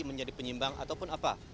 menjadi penyimbang ataupun apa